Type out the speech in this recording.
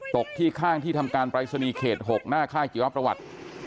ตกที่ข้างที่ทำการปรายศนีย์เขต๖หน้าค่ายจิรประวัติ